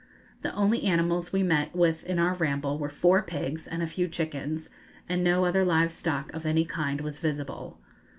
The only animals we met with in our ramble were four pigs and a few chickens, and no other live stock of any kind was visible.